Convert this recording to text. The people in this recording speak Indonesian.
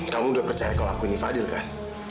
kamu udah percaya kalau aku ini fadil kan